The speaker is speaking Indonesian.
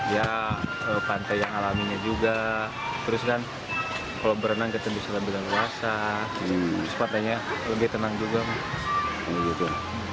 ya pantai yang alaminya juga terus kan kalau berenang kita bisa lebih leluasa pantainya lebih tenang juga gitu